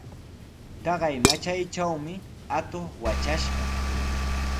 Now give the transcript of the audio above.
Taqay matraytrawmi atuq watrashqa.